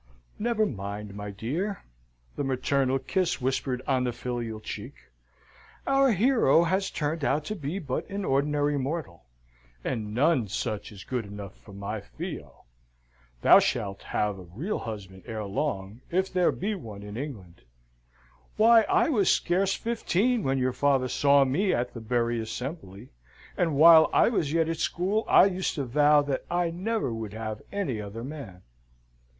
"Never mind, my dear" the maternal kiss whispered on the filial cheek "our hero has turned out to be but an ordinary mortal, and none such is good enough for my Theo. Thou shalt have a real husband ere long, if there be one in England. Why, I was scarce fifteen when your father saw me at the Bury Assembly, and while I was yet at school, I used to vow that I never would have any other man.